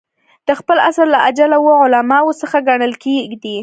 د خپل عصر له اجله وو علماوو څخه ګڼل کېدئ.